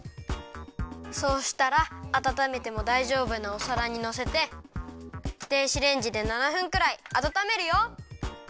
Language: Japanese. そうしたらあたためてもだいじょうぶなおさらにのせて電子レンジで７分くらいあたためるよ。